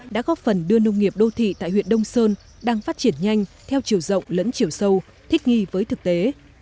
đã góp phần đưa nông nghiệp đô thị tại huyện đông sơn đang phát triển nhanh theo chiều rộng lẫn chiều sâu thích nghi với thực tế